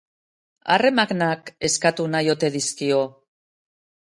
Harremanak eskatu nahi ote dizkio?